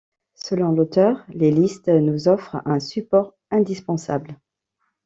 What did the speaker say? Selon l'auteure, les listes nous offrent un support indispensable.